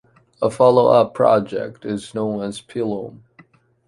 A follow-up project is known as “Pilum.”